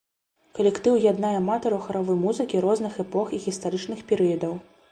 Калектыў яднае аматараў харавой музыкі розных эпох і гістарычных перыядаў.